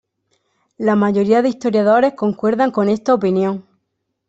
La mayoría de historiadores concuerdan con esta opinión.